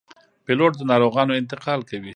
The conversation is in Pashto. پیلوټ د ناروغانو انتقال کوي.